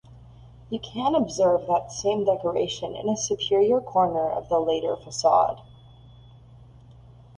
You can observe that same decoration in a superior corner of the later facade.